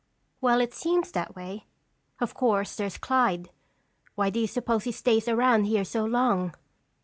"Well, it seems that way. Of course, there's Clyde. Why do you suppose he stays around here so long?"